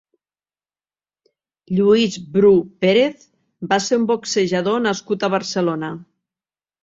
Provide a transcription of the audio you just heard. Lluís Bru Pérez va ser un boxejador nascut a Barcelona.